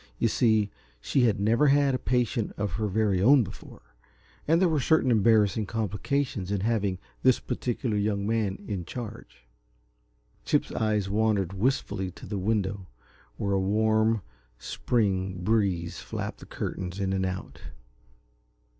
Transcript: You see, she had never had a patient of her very own before, and there were certain embarrassing complications in having this particular young man in charge. Chip's eyes wandered wistfully to the window, where a warm, spring breeze flapped the curtains in and out.